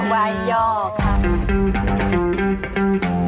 วัยย่อค่ะ